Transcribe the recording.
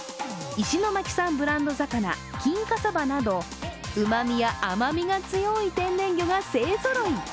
石巻産ブランド魚、金華鯖などうまみや甘みが強い天然魚が勢ぞろい。